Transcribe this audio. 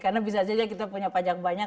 karena bisa saja kita punya pajak banyak